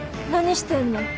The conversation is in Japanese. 何してんの？